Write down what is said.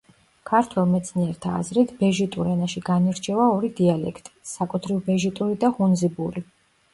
ქართველ მეცნიერთა აზრით ბეჟიტურ ენაში განირჩევა ორი დიალექტი: საკუთრივ ბეჟიტური და ჰუნზიბური.